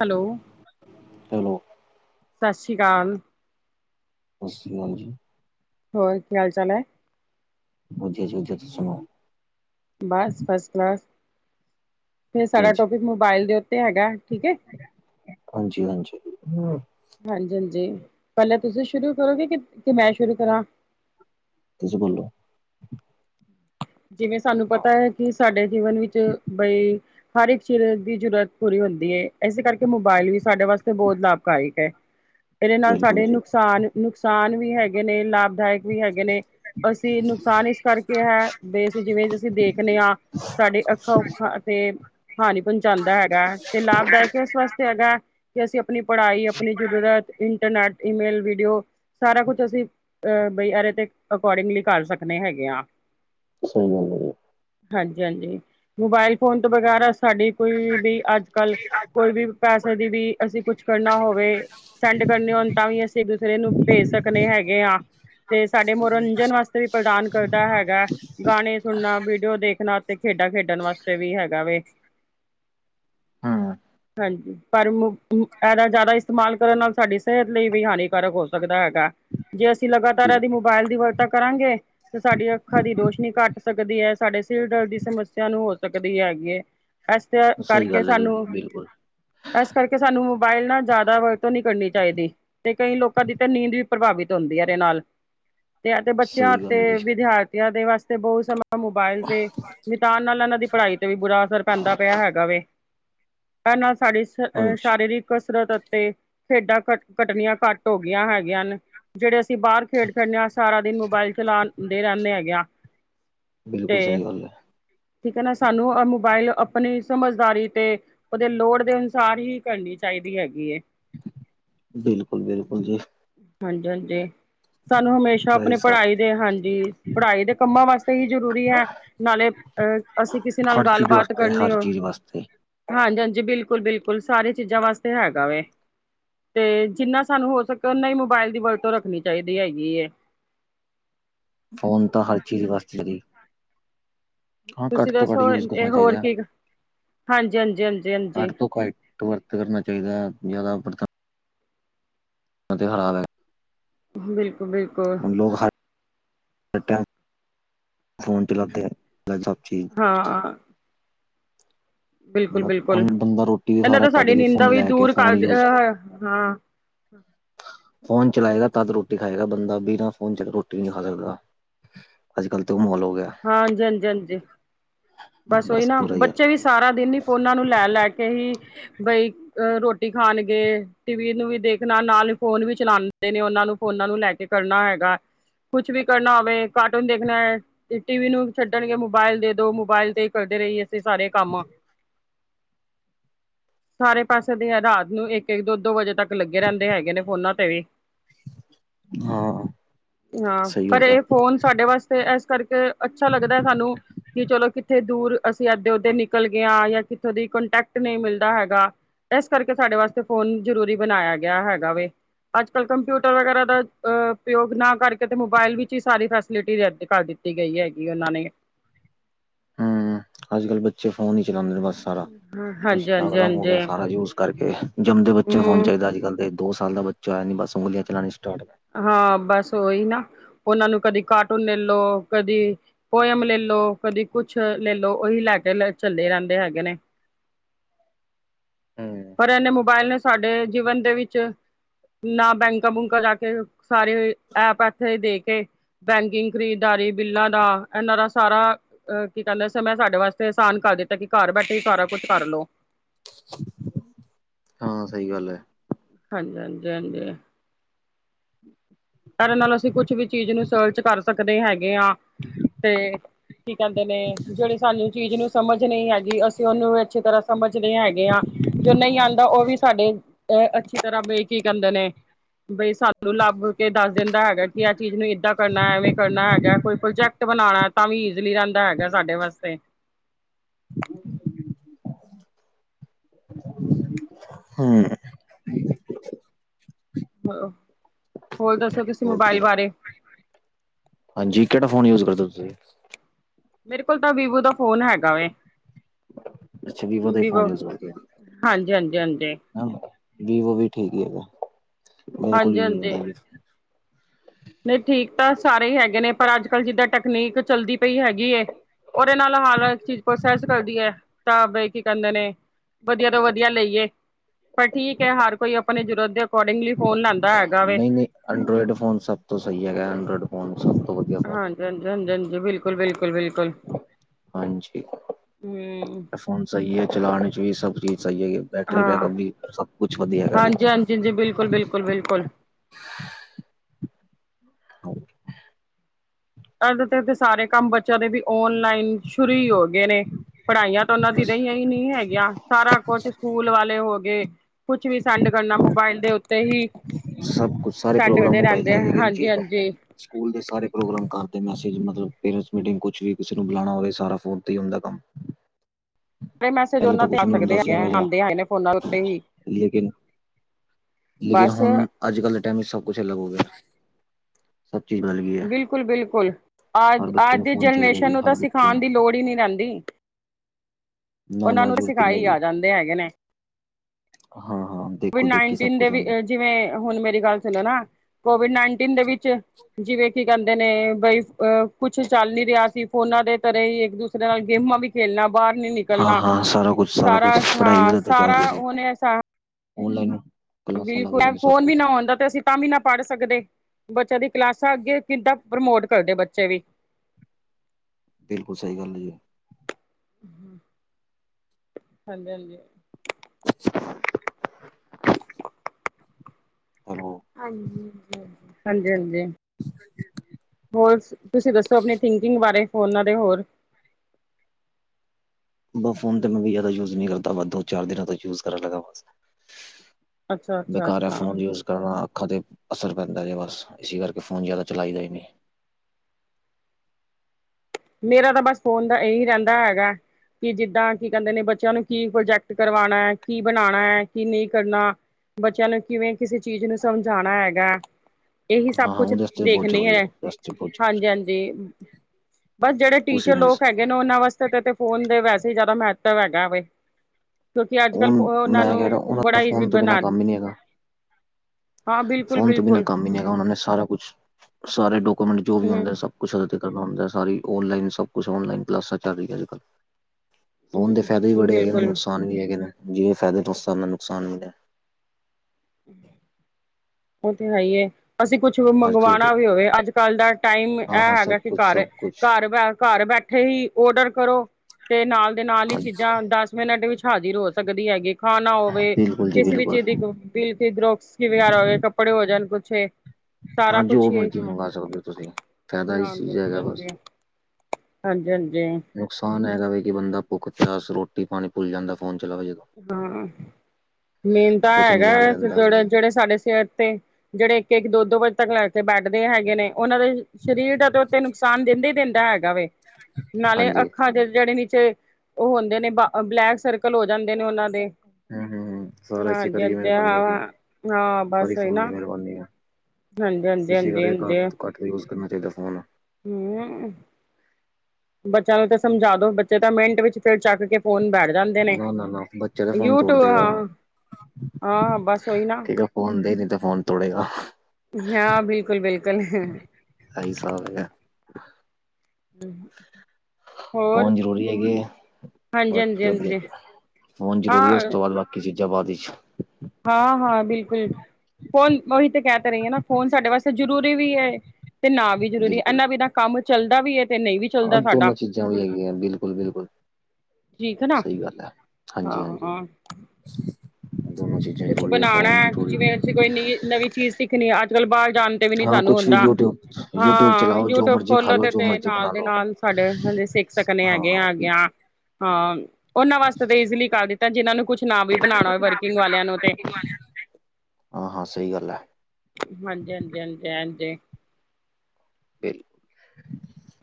Hello hello ਸਤਿ ਸ਼੍ਰੀ ਅਕਾਲ ਸਤਿ ਸ਼੍ਰੀ ਆਕਾਲ ਹਾਂਜੀ ਹੋਰ ਕੀ ਹਾਲ ਚਾਲ ਹੈ ਵਧੀਆ ਜੀ ਤੁਸੀਂ ਸੁਣਾਓ ਬਸ ਫਸਟ ਕਲਾਸ ਫਿਰ ਹੋਰ ਸਾਰਾ ਜੀ ਟੋਪਿਕ ਮੋਬਾਇਲ ਦੇ ਉੱਤੇ ਹੈਗਾ ਠੀਕ ਹੈ ਹਾਂਜੀ ਹਾਂਜੀ ਹ ਹਾਂਜੀ ਹਾਂਜੀ ਪਹਿਲਾਂ ਤੁਸੀਂ ਸ਼ੁਰੂ ਕਰੋਗੇ ਕਿ ਮੈਂ ਸ਼ੁਰੂ ਕਰਾਂ ਤੁਸੀਂ ਬੋਲੋ ਜਿਵੇਂ ਸਾਨੂੰ ਪਤਾ ਹੈ ਕਿ ਸਾਡੇ ਜੀਵਨ ਵਿੱਚ ਬਈ ਹਰ ਇੱਕ ਚੀਜ਼ ਦੀ ਜ਼ਰੂਰਤ ਪੂਰੀ ਹੁੰਦੀ ਹੈ ਇਸੇ ਕਰਕੇ ਮੋਬਾਇਲ ਵੀ ਸਾਡੇ ਵਾਸਤੇ ਬਹੁਤ ਲਾਭਕਾਰਕ ਹੈ ਇਹਦੇ ਨਾਲ ਬਿਲਕੁਲ ਸਾਡੇ ਜੀ ਨੁਕਸਾਨ -ਨੁਕਸਾਨ ਵੀ ਹੈਗੇ ਨੇ, ਲਾਭ ਫਾਇਦੇ ਵੀ ਹੈਗੇ ਨੇ, ਅਸੀਂ ਨੁਕਸਾਨ ਇਸ ਕਰਕੇ ਹੈ ਸੀ ਜਿਵੇਂਅਸੀਂ ਦੇਖਦੇ ਹਾਂ, ਸਾਡੇ ਅੱਖਾਂ ਉਖਾਂ ਤੇ ਹਾਨੀ ਪਹੁੰਚਾਉਂਦਾ ਹੈਗਾ, ਤੇ ਲਾਭਦਾਇਕ ਇਸ ਵਾਸਤੇ ਹੈਗਾ ਕਿ ਅਸੀਂ ਆਪਣੀ ਪੜ੍ਹਾਈ ਆਪਣੀ ਜ਼ਰੂਰਤ ਇੰਟਰਨੈਟ, ਈਮੇਲ, ਵੀਡੀਓ ਸਾਰਾ ਕੁਛ ਅਸੀਂ ਅ ਬਈ ਅਰੇ ਤੇ ਅਕੋਰਡਿੰਗਲੀ ਕਰ ਸਕਣੇ ਹੈਗੇ ਆ। ਸਹੀ ਗੱਲ ਹੈ ਹਾਂਜੀ -ਹਾਂਜੀ, ਮੋਬਾਇਲ ਫੋਨ ਤੋਂ ਵਗੈਰਾ, ਸਾਡੀ ਕੋਈ ਵੀ ਅੱਜ ਕੱਲ੍ਹ ਕੋਈ ਵੀ ਪੈਸੇ ਦੀ ਵੀ, ਅਸੀਂ ਕੁਛ ਕਰਨਾ ਹੋਵੇ। ਸੈਂਡ ਕਰਨੇ ਹੋਣ ਤਾਂ ਵੀ, ਅਸੀਂ ਇੱਕ ਦੂਸਰੇ ਨੂੰ ਭੇਜ ਸਕਦੇ ਹੈਗੇ ਹਾਂ। ਤੇ ਸਾਡੇ ਮਨੋਰੰਜਨ ਵਾਸਤੇ ਵੀ ਪ੍ਰਦਾਨ ਕਰਦਾ ਹੈਗਾ। ਗਾਣੇ ਸੁਣਨਾ, ਵੀਡੀਓ ਦੇਖਣਾ ਅਤੇ ਖੇਡਾਂ ਖੇਡਣ ਵਾਸਤੇ ਵੀ ਹੈਗਾ ਵੇ ਹਾਂ। ਹਾਂ ਪਰ ਇਹਦਾ ਜ਼ਿਆਦਾ ਇਸਤੇਮਾਲ ਕਰਨ ਨਾਲ ਸਾਡੀ ਸਿਹਤ ਲਈ ਵੀ ਹ ਕਾਰਕ ਹੋ ਸਕਦਾ ਹੈਗਾ। ਜੇ ਅਸੀਂ ਲਗਾਤਾਰ ਇਹਦੀ ਬਿਲਕੁਲ ਮੋਬਾਇਲ ਦੀ ਵਰਤੋਂ ਕਰਾਂਗੇ, ਤਾਂ ਸਾਡੀ ਅੱਖਾਂ ਦੀ ਰੋਸ਼ ਘੱਟ ਸਕਦੀ ਐ, ਸਾਡੇ ਸਿਰ ਦਰਦ ਦੀ ਸਮੱਸਿਆ ਸਾਨੂੰ ਹੋ ਸਕਦੀ ਹੈਗੀ ਏ। ਇਸ ਸਹੀ ਕਰਕੇ ਗੱਲ ਹੈ ਜੀ ਸਾਨੂੰ ਬਿਲਕੁਲ ਇਸ ਕਰਕੇ ਸਾਨੂੰ ਮੋਬਾਇਲ ਨਾਲ ਜ਼ਿਆਦਾ ਵਰਤੋਂ ਨਹੀਂ ਕਰਨੀ ਚਾਹੀਦੀ। ਤੇ ਕਈ ਲੋਕਾਂ ਦੀ ਤਾਂ ਨੀਂਦ ਵੀ ਪ੍ਰਭਾਵਿਤ ਹੁੰਦੀ ਐ, ਇਹਦੇ ਨਾਲ। ਤੇ ਅਤੇ ਬੱਚਿਆਂ ਸਹੀ ਗੱਲ ਹੈ ਜੀ ਅਤੇ ਵਿਦਿਆਰਥੀਆਂ ਦੇ ਵਾਸਤੇ ਬਹੁ ਸਮਾਂ ਮੋਬਾਇਲ ਤੇ ਨਿਤਾਨ ਨਾਲ ਇਹਨਾਂ ਦੀ ਪੜ੍ਹਾਈ ਤੇ ਵੀ ਬੁਰਾ ਅਸਰ ਪੈਂਦਾ ਪਿਆ ਹੈਗਾ ਵੇ। ਇਹ ਨਾਲ ਸਾਡੀ ਸ ਹਾਂਜੀ ਸਾਰੀਰਿਕ ਕਸਰਤ ਅਤੇ ਖੇਡਾਂ ਘੱਟ ਘਟਣੀਆਂ ਘੱਟ ਹੋ ਗਈਆਂ ਹੈਗੀਆਂ ਨੇ, ਜਿਹੜੇ ਅਸੀਂ ਬਾਹਰ ਖੇਡ ਖੇਡਦੇ ਹਾਂ, ਸਾਰਾ ਦਿਨ ਮੋਬਾਇਲ ਚਲਾਣ ਦੇ ਰਹਿੰਦੇ ਹੈਗੇ ਆਂ। ਬਿਲਕੁਲ ਸਹੀ ਗੱਲ ਐ। ਠੀਕ ਹੈ ਨਾ, ਸਾਨੂੰ ਮੋਬਾਇਲ ਆਪਣੀ ਸਮਝਦਾਰੀ ਤੇ ਉਹਦੇ ਲੋੜ ਦੇ ਅਨੁਸਾਰ ਹੀ ਕਰਨੀ ਚਾਹੀਦੀ ਹੈਗੀ ਏ। ਬਿਲਕੁਲ -ਬਿਲਕੁਲ ਜੀ। ਹਾਂਜੀ -ਹਾਂਜੀ, ਸਾਨੂੰ ਹਮੇਸ਼ਾ ਸਹੀ ਆਪਣੇ ਸਾਹਿਬ ਪੜ੍ਹਾਈ ਦੇ ਹਾਂਜੀ, ਪੜ੍ਹਾਈ ਦੇ ਮਾਂ ਵਾਸਤੇ ਹੀ ਜ਼ਰੂਰੀ ਹੈ, ਨਾਲੇ ਅਹ ਅਸੀਂ ਕਿਸੇ ਨਾਲ ਹਰ ਚੀਜ਼ ਗੱਲਬਾਤ ਵਾਸਤੇ ਕਰਨੀ ਹਰ ਹੋਏ। ਚੀਜ਼ ਵਾਸਤੇ ਹਾਂਜੀ -ਹਾਂਜੀ, ਬਿਲਕੁਲ -ਬਿਲਕੁਲ ਸਾਰੇ ਚੀਜ਼ਾਂ ਵਾਸਤੇ ਹੈਗਾ ਵੇ। ਤੇ ਜਿੰਨਾ ਸਾਨੂੰ ਹੋ ਸਕੇ, ਓਨਾ ਹੀ ਮੋਬਾਇਲ ਦੀ ਵਰਤੋਂ ਰੱਖਣੀ ਚਾਹੀਦੀ ਹੈਗੀ ਏ। ਫ਼ੋਨ ਤਾਂ ਹਰ ਚੀਜ਼ ਵਾਸਤੇ ਫਰੀ ਹਾਂ, ਘੱਟ ਤੁਸੀਂ ਤੋਂ ਘੱਟ ਦੱਸੋ ਯੂਜ਼ ਇਹ ਕਰਨਾ ਹੋਰ ਚਾਹੀਦਾ, ਕੀ ਹਾਂਜੀ, ਹਾਂਜੀ, ਹਾਂਜੀ, ਹਾਂਜੀ ਘੱਟ ਤੋਂ ਘੱਟ ਵਰਤ ਕਰਨਾ ਚਾਹੀਦਾ, ਜ਼ਿਆਦਾ ਵਰਤਾ ਤੇ ਖਰਾਬ ਐ। ਬਿਲਕੁਲ- ਬਿਲਕੁਲ। ਲੋਕ ਹਰ ਟੈਮ ਫੋਨ ਚਲਾਤੇ ਐ ਲੈਪਟੋਪ ਚੀ ਹਾਂ, ਬਿਲਕੁਲ ਬ- -ਬਿਲਕੁਲ, ਹੁਣ ਬੰਦਾ ਰੋਟੀ ਵੀ ਖਾ ਇਹਨਾਂ ਰਿਹਾ ਤਾਂ ਤਦ ਸਾਡੀ ਫੋਨ ਨੀਂਦਾ ਵੀ ਲੈ ਕੇ ਦੂਰ ਫੋਨ ਕਰ ਹ ਯੂਜ ਹ ਹਾਂ ਫੋਨ ਚਲਾਏਗਾ ਤਦ ਰੋਟੀ ਖਾਏਗਾ ਬੰਦਾ, ਬਿਨਾਂ ਫੋਨ ਚਲ ਰੋਟੀ ਨਹੀਂ ਖਾ ਸਕਦਾ। ਅੱਜ -ਕੱਲ੍ਹ ਤੇ ਉਹ ਮਹੌਲ ਹੋ ਗਿਆ। ਹਾਂਜੀ -ਹਾਂਜੀ -ਹਾਂਜੀ। ਬੱਸ ਉਹੀ ਬਸ ਨਾ, ਪੂਰਾ ਯਾਰ ਬੱਚੇ ਵੀ ਸਾਰਾ ਦਿਨ ਹੀ ਫੋਨਾ ਨੂੰ ਲੈ- ਲੈ ਕੇ ਹੀ ਬਈ ਅਹ ਰੋਟੀ ਖਾਣਗੇ ਟੀਵੀ ਨੂੰ ਵੀ ਦੇਖਣਾ ਨਾਲ, ਫੋਨ ਵੀ ਚਲਾਂਦੇ ਨੇ, ਉਹਨਾਂ ਨੂੰ ਫੋਨਾਂ ਨੂੰ ਲੈ ਕੇ ਕਰਨਾ ਹੈਗਾ। ਕੁਛ ਵੀ ਕਰਨਾ ਹੋਵੇ ਕਾਰਟੂਨ ਦੇਖਣਾ, ਟੀ ਵੀ ਨੂੰ ਛੱਡਣਗੇ, ਮੋਬਾਇਲ ਦੇ ਦੋ ਮੋਬਾਇਲ ਤੇ ਕਰਦੇ ਰਹੀਏ, ਅਸੀਂ ਸਾਰੇ ਕੰਮ। ਸਾਰੇ ਪਾਸੇ ਦੀ ਐ ਰਾਤ ਨੂੰ ਇੱਕ, ਇੱਕ, ਦੋ, ਦੋ ਵਜੇ ਤੱਕ ਲੱਗੇ ਰੈਂਦੇ ਹੈਗੇ ਨੇ ਫੋਨਾਂ ਤੇ ਵੀ। ਹਾਂ ਹਾਂ, ਸਹੀ ਪਰ ਗੱਲ ਹੈ ਏ ਫੋਨ ਸਾਡੇ ਵਾਸਤੇ ਐਸ ਕਾਰਕੇ ਅੱਛਾ ਲੱਗਦੈ ਸਾਨੂੰ, ਕਿ ਚਲੋ ਤੇ ਦੂਰ ਅਸੀਂ ਐਦੇ, ਓਦੇ ਨਿਕਲ ਗਏ ਆਂ, ਯਾ ਕਿੱਥੋਂ ਦੀ ਕੰਟੈਕਟ ਨਈ ਮਿਲਦਾ ਹੈਗਾ ਏਸ ਕਰਕੇ ਸਾਡੇ ਵਾਸਤੇ ਫੋਨ, ਜਰੂਰੀ ਬਨਾਏਆ ਗੇਆ ਹੈਗਾ ਵੇ ਅੱਜ -ਕੱਲ੍ਹ ਕੰਪਿਊਟਰ ਵਗੈਰਾ ਦਾ ਅ ਉਪਯੋਗ ਨਾ ਕਰਕੇ, ਤੇ ਮੋਬਾਇਲ ਵਿੱਚ ਹੀ ਸਾਰੀ ਫੈਸਿਲਿਟੀ ਦੇ ਕਰ ਦਿੱਤੀ। ਗਈ ਹੈਗੀ ਉਹਨਾਂ ਨੇ ਹੂੰ, ਅੱਜ- ਕੱਲ੍ਹ ਬੱਚੇ ਫੋਨ ਈ ਚਲਾਂਦੇ ਨੇ ਬਸ। ਸਾਰਾ ਹਾਂਜੀ ਹਾਂਜੀ ਇੰਸਟਾਗ੍ਰਾਮ ਹੋ ਹਾਂਜੀ ਗਿਆ, ਸਾਰਾ ਯੂਜ ਕਰਕੇ ਜੰਮਦੇ ਬੱਚੇ ਨੂੰ ਫੋਨ ਹਮ ਚਾਹੀਦਾ ਅੱਜ- ਕੱਲ੍ਹ ਤੇ। ਦੋ ਸਾਲ ਦਾ ਬੱਚਾ ਹੋਆ ਨੀ, ਬਸ ਉਗਲੀਆਂ ਚਲਾਣੀਆਂ ਸਟਾਟ। ਹਾਂ ਬਸ ਉਹੀ ਨਾ, ਉਹਨਾਂ ਨੂੰ ਕਦੀ ਕਾਰਟੂਨ ਲੈਲੋ, ਕਦੀ ਪੋਯਮ ਲੈ ਲੋ, ਕਦੀ ਕੁਛ ਲੈ ਲੋ, ਉਹੀ ਲੈ ਕੇ ਚੱਲੇ ਰਹਿੰਦੇ ਹੈਗੇ ਨੇ। ਹਮ ਪਰ ਇਹਨੇ ਮੋਬਾਇਲ ਨੇ ਸਾਡੇ ਜੀਵਨ ਦੇ ਵਿੱਚ ਨਾ ਬੈਂਕਾਂ-ਬੂਕਾਂ ਜਾ ਕੇ, ਸਾਰੇ ਐਪ ਇੱਥੇ ਦੇ ਕੇ ਬੈਂਕਿੰਗ, ਖਰੀਦਦਾਰੀ, ਬਿੱਲਾਂ ਦਾ, ਇਹਨਾਂ ਦਾ ਸਾਰਾ ਅਹ ਕੀ ਕਹਿੰਦਾ ਸੀ ਮੈਂ, ਸਾਡੇ ਵਾਸਤੇ ਅਸਾਨ ਕਰ ਦਿੱਤਾ ਕਿ ਘਰ ਬੈਠੇ ਹੀ ਸਾਰਾ ਕੁੱਛ ਕਰ ਲੋ। ਹਾਂ, ਸਈ ਗੱਲ ਐ। ਹਾਂਜੀ, ਹਾਂਜੀ, ਹਾਂਜੀ ਘਰ ਨਾਲੋ ਅਸੀਂ ਕੁਛ ਵੀ ਚੀਜ ਨੂੰ ਸਰਚ ਕਾਰ ਸਕਦੇ ਹੈਗੇ ਆਂ ਤੇ ਕੀ ਕੈਂਦੇ ਨੇ ਜੇੜੀ ਸਾਨੂੰ ਚੀਜ਼ ਨੂੰ ਸਮਜ ਨਈ ਹੈਗੀ, ਅਸੀਂ ਓਨੂੰ ਏ ਅਛੀ ਤਰਾ ਸਮਜ ਨੇ ਹੈਗੇ ਆ ਜੋ ਨਈ ਆਂਦਾ ਓ ਵੀ ਸਾਡੇ, ਅ ਅੱਛੀ ਤਰਾ ਬਈ ਕੀ ਕੈਂਦੇ ਨੇ ਬਈ ਸਾਨੂੰ ਲੱਬ ਕੇ ਦੱਸ ਦਿੰਦਾ ਹੈਗੈ, ਕਿ ਆ ਚੀਜ ਨੂੰ ਏਦਾਂ ਕਰਨਾ ਐਵੇਂ ਕਰਨਾ ਹੈਗੈ ਕੋਈ ਪ੍ਰੋਜੈਕਟ ਬਣਾਣੈ ਤਾਂ ਵੀ ਇਜ਼ਲੀ ਰੈਂਦਾ ਹੈਗਾ ਸਾਡੇ ਵਾਸਤੇ ਹੂੰ। ਓ ਹੋਰ ਦੱਸੋ ਤੁਸੀਂ ਹੋਰ ਮੋਬਾਇਲ ਜੀ ਬਾਰੇ ਹਾਂਜੀ, ਕੇੜਾ ਫੋਨ ਯੂਜ਼ ਕਰਦੇ ਓ ਤੁਸੀ ਮੇਰ ਕੋਲ ਤਾਂ ਵੀਵੋ ਦਾ ਫੋਨ ਹੈਗਾ ਵੇ। ਅੱਛਾ ਦਾ ਹੀ ਵੀਵੋ, ਫੋਨ ਯੂਜ ਕਰਦੇ ਹਾਂਜੀ, ਹਾਂਜੀ, ਹਾਂਜੀ। ਵੀਵੋ ਵੀ ਠੀਕ ਈ ਹੈਗਾ, ਮੇਰ ਕੋਲ ਹਾਂਜੀ ਵੀਵੋ ਦਾ ਵੀ ਨਈ ਠੀਕ ਤਾਂ ਸਾਰੇ ਈ ਹੈਗੇ ਨੇ, ਪਰ ਅੱਜ-ਕੱਲ ਜਿੱਦਾਂ ਟੈਕਨੀਕ ਚੱਲਦੀ ਪਈ ਹੈਗੀ ਏ, ਓਦੇ ਨਾਲ ਹਾਰ ਇੱਕ ਚੀਜ ਪ੍ਰੋਸੈਸ ਕਰਦੀ ਏ, ਤਾਂ ਬਈ ਕੀ ਕੈਂਦੇ ਨੇ ਵਦੀਆ ਤੋਂ ਵਦੀਆ ਲਈਏ, ਪਰ ਠੀਕ ਏ ਹਰ ਕੋਈ ਆਪਨੇ ਜਰੂਰਤ ਤੇ ਅਕੋਡਿੰਗਲੀ ਫੋਨ ਲੈਂਦਾ ਹੈਗਾ ਵੇ। [unintelligible] [unintelligible] ਬਿਲਕੁਲ, ਬਿਲਕੁ, ਬਿਲਕੁਲਝ। ਹਾਂਜੀ, ਹਮ ਐ ਫੋਨ ਸਈ ਏ ਚਲਾਣ ਚ ਵੀ ਸਬ ਸਈ ਐਈ ਬੈਟਰੀ ਹਾਂ ਬੈਕਅਪ ਵੀ ਸਬ ਹਾਂਜੀ, ਹਾਂਜੀ, ਹਾਂਜੀ ਬਿਲਕੁਲ, ਬਿਲਕੁਲ, ਬਿਲਕੁਲ। ਅੱਦ ਤੇ ਸਾਰੇ ਕੰਮ ਬੱਚੇਆਂ ਦੇ ਵੀ ਓਨਲਾਈਨ ਸ਼ੁਰੂ ਈ ਹੋ ਗਏ ਨੇ ਪੜਾਈਆਂ ਤਾਂ ਓਨਾਂ ਦੀ ਬਸ ਰਈਆਂ ਈ ਨੀ ਹੈਗੀਆਂ, ਸਾਰਾ ਕੁਛ ਸੂਕੂਲ ਵਾਲੇ ਹੋ ਗੇ ਕੁਛ ਵੀ ਸੈਂਡ ਕਰਨਾ ਮੋਬਾਇਲ ਦੇ ਉੱਤੇ ਹੀ ਸਬ ਕੁਜ ਸਾਰੇ ਸੈਂਡ ਪ੍ਰੋਗਰਾਮ ਕਰਦੇ ਮੋਬਾਈਲ ਰਹਿੰਦੇ ਤੇ ਆ ਈ ਹੇਗੇ ਹਾਂਜੀ ਜੀ ਹਾਂਜੀ ਸੂਕੂਲ ਦੇ ਸਾਰੇ ਪ੍ਰੋਗਰਾਮ ਘਾਰਦੇ ਮੈਸੇਜ ਮਤਲਬ, ਪੇਰੇਂਨਟੑਸ ਮੀਟੀਂਗ ਕੁਛ ਵੀ ਕੀਸੇ ਨੂ ਬੁਲਾਉਣਾ ਹੋਵੇ ਸਾਰਾ ਫੋਨ ਤੇ ਈ ਹੂੰਦੈ ਕੰਮ ਸਾਰੇ ਮੈਸੇਜ ਪੈਲੇ ਤੋ ਉਹਨਾਂ ਤੇ ਕੁਛ ਆ ਨੀ ਹੁੰਦਾ ਸਕਦੇ ਸੀ ਹੈਗੇ ਐਵੇ ਜਾ ਆਉਂਦੇ ਹੈਗੇ ਨੇ ਫੋਨਾਂ ਉੱਤੇ ਹੀ ਲੇਕਿਨ ਲੇਕਿਨ ਬਸ ਹੋਨ, ਅੱਜ-ਕੱਲ ਦੇ ਟੈਮ ਵਿੱਚ ਸਬ ਕੁਝ ਅਲੱਗ ਹੋ ਗੇਆ [unintelligible] ਬਿਲਕੁਲ, ਬਿਲਕੁਲ ਆਜ ਹਰ ਅ ਬੱਚੇ ਆਜ ਨੂੰ ਦੀ ਫੋਨ ਚਾਹੀਦਾ ਜਨਰੇਸ਼ਨ ਜੀ ਨੂੰ ਤਾਂ ਹਰ ਬੱਚੇ ਸਿਖਾਨ ਨੂੰ ਦੀ ਲੋੜ ਈ ਨਈ ਰੈਂਦੀ ਸਿਖਾਈ ਆ ਜਾਂਦੇ ਹੈਗੇ ਨੇ [unintelligible] ਹਾਂ, ਹਾਂ ਕੋਵਿਡ ਦੇਖੋ ਦੇਖੀ ਸਬ ਨਾਈਨਟੀਨ ਦੇ ਕੁਜ ਵੀ ਹੋਂਦਾ ਜਿਵੇਂ ਹੁਨ ਮੇਰੀ ਗੱਲ ਸੁਨੋ ਨਾ, ਕੋਵਿੜ ਨਾਈਨਟੀਨ ਦੇ ਵਿੱਚ ਜਿਵੇਂ ਕੀ ਕੈਂਦੇ ਨੇ ਬਈ ਅ ਕੁਛ ਚੱਲ ਨੀ ਰੇਆ ਸੀ ਫੋਨਾ ਦੇ ਤਰੇ ਈ ਏਕ ਦੂਸ ਨਾਲ ਗੇਮਾਂ ਵੀ ਖੇਲਨਾ ਬਾਰ ਨੀ ਗੱਲਾਂ, ਹਾਂ-ਹਾਂ, ਸਾਰਾ ਕੁਛ ਕੁਛ ਸਾਰਾ ਸ ਪੜ੍ਹਾਈ ਹਾਂ ਸਾਰਾ ਓਨੇ ਓਨਲਾਈਨ ਬਿਲਕੁਲ ਐ ਫੋਨ ਵੀ ਨਾ ਹੋਂਦਾ ਤੇ ਅਸੀ ਤਾਂ ਵੀ ਨਾ ਪੜ ਸਾਕਦੇ, ਬੱਚੇਆਂ ਦੀ ਕਲਾਸਾਂ ਅੱਗੇ ਕਿੱਦਾਂ ਪ੍ਰਮੋਟ ਕਰਦੇ ਬੱਚੇ ਵੀ। [inaudible] ਬਿਲਕੁਲ ਸਈ ਗੱਲ ਐ ਜੀ। ਹਾਂਜੀ, ਹਾਂਜੀ। [inaudible] ਹੈਲੋ ਹਾਂਜੀ- ਹਾਂਜੀ -ਹਾਂਜੀ। [inaudible] [inaudible] ਹੋਰ ਤੁਸੀਂ ਦੱਸੋ ਆਪਣੀ ਥਿੰਕਿੰਗ ਬਾਰੇ ਫੋਨਾਂ ਦੇ ਹੋਰ ਬ ਫੋਨ ਤੇ ਮੈਂ ਵੀ ਜ਼ਿਆਦਾ ਯੂਜ ਨਹੀ ਕਰਦਾ, ਵਾ ਦੋ ਚਾਰ ਦਿਨਾਂ ਦਾ ਯੂਜ ਕਰਨ ਲੱਗਾ ਬਸ ਅੱਛਾ ਅੱਛਾ ਬੇਕਾਰ ਹੈ ਅੱਛਾ ਫ਼ੋਨ ਯੂਜ ਕਰਨਾ ਅੱਖਾਂ ਦੇ ਅਸਰ ਪੈਂਦਾ ਜੇ ਬਸ ਇਸੀ ਕਰਕੇ ਫੋਨ ਜਾਦਾ ਚਲਾਈ ਦਾ ਈ ਨਈ ਮੇਰਾ ਤਾਂ ਬਸ ਫੋਨ ਦਾ ਇਹੀ ਰਹਿੰਦਾ ਹੈਗਾ ਕਿ ਜਿੱਦਾਂ ਕੀ ਕਹਿੰਦੇ ਨੇ ਬੱਚਿਆਂ ਨੂੰ ਕੀ ਪ੍ਰੋਜੈਕਟ ਕਰਵਾਉਣਾ ਹੈ, ਕੀ ਬਣਾਉਣਾ ਹੈ, ਕੀ ਨਹੀਂ ਕਰਨਾ ਬੱਚਿਆਂ ਨੂੰ ਕਿਵੇਂ ਕਿਸੇ ਚੀਜ਼ ਨੂੰ ਸਮਝਾਉਣਾ ਹੈਗਾ ਇਹੀ ਸਭ ਹਾਂ-ਹਾਂ ਕੁਛ ਉਹਦੇ ਵਾਸਤੇ ਬਹੁਤ ਦੇਖਣੀ ਜ਼ਰੂਰੀ ਹੈ ਉਹਦੇ ਵਾਸਤੇ ਬਹੁਤ ਜ਼ਰੂਰੀ ਹਾਂਜੀ -ਹਾਂਜੀ ਬਸ ਜਿਹੜੇ ਉਸ ਟੀਚਰ ਨਹੀਂ ਲੋਕ ਹੈਗੇ ਨੇ ਉਹਨਾਂ ਵਾਸਤੇ ਤੇ ਤੇ ਫੋਨ ਦੇ ਵੈਸੇ ਹੀ ਜ਼ਿਆਦਾ ਮਹੱਤਵ ਹੈਗਾ ਵ ਕਿਉਂਕਿ ਅੱਜ ਕੱਲ੍ਹ ਹੁਣ ਉਹਨਾਂ ਮੈਂ ਨੂੰ ਕਹਿ ਰਿਹਾ ਉਹਨਾਂ ਬੜਾ ਦਾ ਹੀ ਸੀ ਫੋਨ ਤੋਂ ਬਿਨਾਂ ਬਣਾ ਕੰਮ ਹੀ ਨਹੀਂ ਹੈਗਾ ਹਾਂ ਬਿਲਕੁਲ ਫੋਨ ਤੋਂ ਬਿਨਾਂ ਬਿਲਕੁਲ ਕੰਮ ਹੀ ਨੀ ਹੈਗਾ ਉਹਨਾਂ ਨੇ ਸਾਰਾ ਕੁਛ ਸਾਰੇ ਡਾਕੂਮੈਂਟ ਜੋ ਵੀ ਹਮ ਹੁੰਦੇ ਸਭ ਕੁਛ ਉਦੇ ਤੇ ਕਰਨਾ ਹੁੰਦਾ ਸਾਰੀ ਉਨਲਾਈਨ ਸਭ ਕੁਛ ਉਨਲਾਈਨ ਕਲਾਸਾਂ ਚੱਲ ਰਹੀਆਂ ਅੱਜ ਕੱਲ ਫੋਨ ਦੇ ਫਾਇਦੇ ਵੀ ਬੜੇ ਹੈਗੇ ਨੇ ਬਿਲਕੁਲ ਨੁਕਸਾਨ ਵੀ ਹੈਗੇ ਨੇ ਜਿਵੇ ਫਾਇਦੇ ਸਕ ਨੁਕਸਾਨ ਵੀ ਹਮ ਉਹ ਤੇ ਹੈਏ ਅਸੀਂ ਕੁਛ ਹਰ ਚੀਜ਼ ਦੇ। ਮੰਗਵਾਉਣਾ ਵੀ ਹੋਵੇ ਅੱਜ ਕੱਲ੍ਹ ਦਾ ਟਾਈਮ ਹਾਂ ਇਹ ਹਾਂ ਸਭ ਹੈਗਾ ਕਿ ਕੁਛ ਸਭ ਘਰ ਕੁਛ ਘਰ ਬੈ ਘਰ ਬੈਠੇ ਉੱਥੇ ਹੀ ਓਡਰ ਕਰੋ ਤੇ ਨਾਲ ਦੇ ਨਾਲ ਹੀ ਹਾਂਜੀ ਚੀਜ਼ਾਂ ਦਸ ਮਿੰਟ ਵਿੱਚ ਹਾਜ਼ਰ ਹੋ ਸਕਦੀ ਹੈਗੀ, ਖਾਣਾ ਹੋਵੇ ਬਿਲਕੁਲ ਜੀ ਕਿਸੇ ਵੀ ਬਿਲਕੁਲ ਚੀਜ਼ ਦੀ ਦਿਲ ਦੋਕਸ ਵਗੈਰਾ ਹੋਵੇ ਕੱਪੜੇ ਹੋ ਜਾਣ ਕੁਛ ਸਾਰਾ ਹਾਂ ਕੁਛ ਜੋ ਹੀ ਮਰਜ਼ੀ ਮੰਗਵਾ ਸਕਦੇ ਹੋ ਤੁਸੀਂ ਫਾਇਦਾ ਇਸ ਹਾਂਜੀ- ਹਾਂਜੀ- ਚੀਜ਼ ਦਾ ਹੈਗਾ ਹਾਂਜੀ ਬਸ ਹਾਂਜੀ -ਹਾਂਜੀ। ਨੁਕਸਾਨ ਹੈਗਾ ਵੀ ਕਿ ਬੰਦਾ ਭੁੱਖ ਚਸ ਰੋਟੀ ਪਾਣੀ ਭੁੱਲ ਜਾਂਦਾ ਫੋਨ ਚਲਾਵੇ ਜਦੋਂ ਹਾਂ ਮੇਨ ਤਾਂ ਕੁਛ ਨੀ ਹੈਗਾ ਯਾਦ ਵ ਰਹਿੰਦਾ ਜਿਹੜਾ ਜਿਹੜੇ ਸਾਡੇ ਸਿਹਤ ਤੇ ਜਿਹੜੇ ਇੱਕ ਇੱਕ ਦੋ ਦੋ ਵਜੇ ਤੱਕ ਲੈ ਕੇ ਬੈਠਦੇ ਹੈਗੇ ਨੇ ਉਹਨਾਂ ਦੇ ਸਰੀਰ ਦਾ ਤੇ ਉੱਥਤੇ ਨੁਕਸਾਨ ਦਿੰਦਾ ਹੀ ਦਿੰਦਾ ਹੈਗਾ ਵ ਨਾਲੇ ਹਾਂਜੀ ਅੱਖਾਂ ਦੇ ਜਿਹੜੇ ਨੀਚੇ ਉਹ ਹੁੰਦੇ ਨੇ ਬਲੈਕ ਸਰਕਲ ਹੋ ਜਾਂਦੇ ਨੇ ਉਹਨਾਂ ਦੇ ਹੂੰ ਹੂੰ ਹੂੰ ਸਾਰਾ ਹਾਂ ਇਸੇ ਕਰਕੇ ਜਦ ਮਿਹਰਬਾਨੀ ਹੈਗੀ ਹੈ, ਹਾਂ ਸਾਰੀ ਬਸ ਫੋਨ ਨਾ ਦੀ ਮਿਹਰਬਾਨੀ ਹੈ ਹਾਂ ਇਸੇ ਕਰਕੇ ਘੱਟ ਤੋਂ ਘੱਟ ਯੂਜ ਕਰਨਾ ਚਾਹੀਦਾ ਫੋਨ ਹਮ ਬੱਚਿਆਂ ਨੂੰ ਤਾਂ ਸਮਝਾ ਦੋ, ਬੱਚੇ ਤਾਂ ਮਿੰਟ ਵਿੱਚ ਫਿਰ ਚੱਕ ਕੇ ਫੋਨ ਬੈਠ ਜਾਂਦੇ ਨੇ ਨਾ ਨਾ ਨਾ ਬੱਚਿਆਂ ਦਾ ਫੋਨ ਤੋੜ ਯੂਟਿਊਬ ਦੇਗਾ ਹਾਂ ਹਾਂ ਬਸ ਉਹੀ ਨਾ ਠੀਕ ਆ ਫੋਨ ਦੇ ਨਹੀਂ ਤਾਂ ਫੋਨ ਤੋੜੇਗਾ ਹਾਂ ਬਿਲਕੁਲ- ਬਿਲਕੁਲ। ਅਠਾਈ ਸਾਲ ਹੈ ਹਮ ਫੋਨ ਜ਼ਰੂਰੀ ਹੈਗੇ ਹਾਂਜੀ ਬਸ ਹਾਂਜੀ ਕਰਧਆ ਹਾਂਜੀ ਫੋਨ ਜ਼ਰੂਰੀ ਹੈ ਉਸ ਹਾਂ ਤੋਂ ਬਾਅਦ ਬਾ ਕਿਛ ਜਵਾ ਦਸ਼ ਹਾਂ ਹਾਂ, ਬਿਲਕੁਲ ਫੋਨ ਉਹੀ ਤੇ ਕਹਿ ਤਾਂ ਰਹੀ ਹਾਂ, ਨਾ ਫੋਨ ਸਾਡੇ ਵਾਸਤੇ ਜ਼ਰੂਰੀ ਵੀ ਐ। ਆ ਵੀ ਜ਼ਰੂਰੀ ਬਿਲਕੁਲ ਇਹਨਾ ਵੀ ਤਾਂ ਕੰਮ ਚੱਲਦਾ ਵੀ ਐ ਤੇ ਨਹੀਂ ਵੀ ਹਾਂ ਚੱਲਦਾ ਸਾਡਾ। ਦੋਨੋਂ ਚੀਜ਼ਾਂ ਵੀ ਹੈਗੀਆਂ ਬਿਲਕੁਲ ਬਿਲਕੁਲ ਠੀਕ ਨਾ ਸਹੀ ਗੱਲ ਹੈ ਹਾਂਜੀ ਹਾਂ ਹਾਂਜੀ ਹਾਂ [inaudible] ਚੀਜ਼ਾਂ ਕੁਛ ਜ਼ਰੂਰੀ ਹੈ ਬਣਾਉਣਾ ਫੋਨ ਜ਼ਰੂਰੀ ਜਿਵੇਂ ਹੈ। ਅਸੀਂ ਕੋਈ ਨੀਂ ਨਵੀਂ ਚੀਜ਼ ਸਿੱਖਣੀ ਅੱਜ ਕੱਲ੍ਹ ਬਾਹਰ ਜਾਣ ਵੀ ਨੀ ਹਾਂ ਸਾਨੂੰ ਕੁਛ ਵੀ ਹੁੰਦਾ ਯੂਟਿਊਬ ਯੂਟਿਊਬ ਹਾਂ ਚਲਾਓ ਜੋ ਯੂਟਿਊਬ ਮਰਜ਼ੀ ਖਾ ਖੋਲੋ ਲੋ ਤੇ ਜੋ ਤੇ ਮਰਜ਼ੀ ਨਾਲ ਬਣਾ ਦੇ ਲੋ ਨਾਲ ਸਾਡੇ ਹਾਂਜੀੇ ਸਿੱਖ ਸਕਦੇ ਹਾਂ ਹੈਗੇ ਹਾਂ ਆ ਅੱਗੇ ਇਹਨਾਂ ਹਾਂ ਉਹਨਾਂ ਵਾਸਤੇ ਤਾਂ ਈਜ਼ਲੀ ਕਰ ਦਿੱਤਾ ਜਿਹਨਾਂ ਨੂੰ ਕੁਛ ਨਾ ਵੀ ਨੂੰ ਬਣਾਉਣਾ ਕੁਛ ਹੋਵੇ ਨਾ ਵੀ ਵਰਕਿੰਗ ਵਾਲਿਆਂ ਬਣਾਉਣਾ ਨੂੰ ਤੇ ਵਰਕਿੰਗ ਹਾਂ- ਹਾਂ ਸਹੀ ਗੱਲ ਹੈ ਹਾਂਜੀ -ਹਾਂਜੀ -ਹਾਂਜੀ -ਹਾਂਜੀ। ਬਿਲ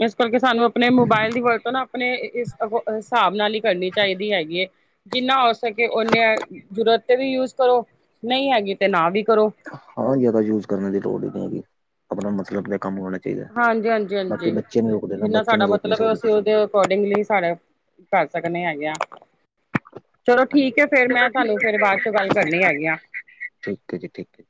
ਇਸ ਕਰਕੇ ਸਾਨੂੰ ਆਪਣੇ ਮੋਬਾਇਲ ਦੀ ਵਰਤੋਂ ਨਾ ਆਪਣੇ ਇਸ ਹਿਸਾਬ ਨਾਲ ਹੀ ਕਰਨੀ ਚਾਹੀਦੀ ਹੈਗੀ ਹੈ। ਜਿੰਨਾ ਹੋ ਸਕੇ ਓਨੇ ਜ਼ਰੂਰਤ ਤੇ ਵੀ ਯੂਜ ਕਰੋ ਨਹੀਂ ਹੈਗੀ ਤੇ ਨਾ ਵੀ ਕਰੋ। ਹਾਂ, ਜਿਆਦਾ ਯੂਜ ਕਰਨ ਦੀ ਲੋੜ ਈ ਨਹੀਂ ਹੈਗੀ ਆਪਣਾ ਮਤਲਬ ਆਪ ਕੰਮ ਹੋ, ਹਾਂਜੀ-ਹਾਂਜੀ, ਹਾਂਜੀ ਨਾ ਜਿੰਨਾ ਬੱਚੇ ਸਾਡਾ ਨੂੰ ਰੋਕ ਨਹੀਂ ਮਤਲਬ ਸਕਦੇ ਅਸੀਂ ਤੁਸੀਂ ਉਹਦੇ ਅਕੋਰਡਿੰਗਲੀ ਸਾਰੇ ਕਰ ਸਕਦੇ ਹੈਗੇ ਆ। ਚਲੋ ਹਾਂਜੀ ਠੀਕ ਐ, ਫੇਰ ਚਲੋ ਮੈਂ ਤੁਹਾਨੂੰ ਠੀਕ ਹੈ ਫੇਰ ਫਿਰ ਬਾਅਦ ਮੈਂ ਚੋਂ ਗੱਲ ਤੁਹਾਨੂੰ ਫਿਰ ਕਰਨੀ ਹੈਗੀ ਆ। ਬਾਅਦ ਠੀਕ ਐ ਜੀ ਠੀਕ ਐ ਜੀ।